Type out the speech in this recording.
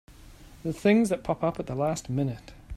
The things that pop up at the last minute!